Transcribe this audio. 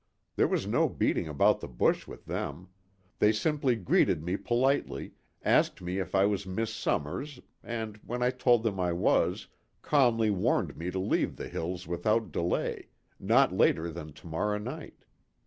There was no beating about the bush with them. They simply greeted me politely, asked me if I was Miss Somers, and, when I told them I was, calmly warned me to leave the hills without delay not later than to morrow night.